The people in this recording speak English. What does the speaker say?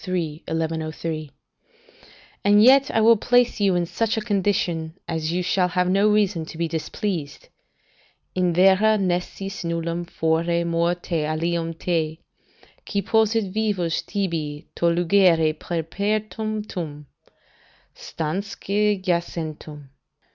1103] "And yet I will place you in such a condition as you shall have no reason to be displeased. "'In vera nescis nullum fore morte alium te, Qui possit vivus tibi to lugere peremptum, Stansque jacentem.